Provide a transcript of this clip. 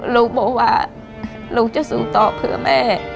ลูกบอกว่าลูกจะสู้ต่อเพื่อแม่